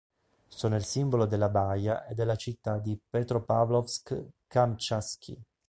Sono il simbolo della baia e della città di Petropavlovsk-Kamčatskij.